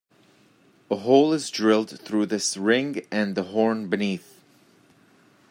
A hole is drilled through this ring and the horn beneath.